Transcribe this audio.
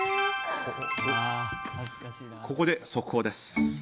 ここで速報です。